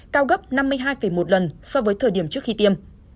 cao gấp năm mươi hai một lần so với thời điểm trước khi tiêm